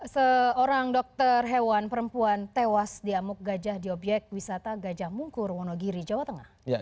seorang dokter hewan perempuan tewas di amuk gajah di obyek wisata gajah mungkur wonogiri jawa tengah